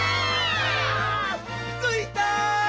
ついた！